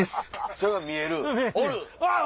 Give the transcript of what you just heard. それが見える？